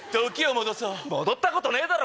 戻ったことねえだろ！